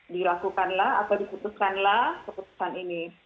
dilakukanlah atau diputuskanlah keputusan ini